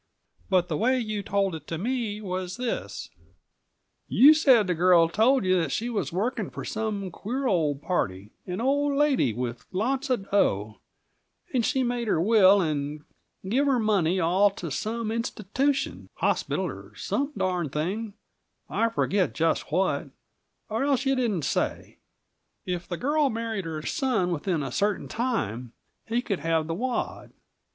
But the way you told it to me was this: "You said the girl told you that she was working for some queer old party an old lady with lots of dough; and she made her will and give her money all to some institution hospital or some darned thing, I forget just what, or else you didn't say. Only, if this girl would marry her son within a certain time, he could have the wad.